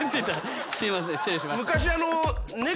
すいません失礼しました。